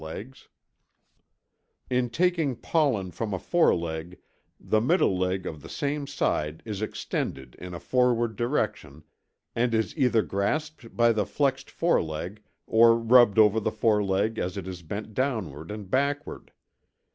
] In taking pollen from a foreleg the middle leg of the same side is extended in a forward direction and is either grasped by the flexed foreleg or rubbed over the foreleg as it is bent downward and backward.